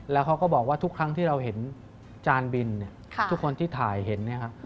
แล้วเขาก็บอกว่าทุกครั้งที่เราเห็นจานบินเนี่ยทุกคนที่ถ่ายเห็นเนี่ยครับ